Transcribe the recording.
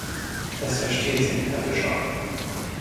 Das verstehen Sie, Herr Fischler!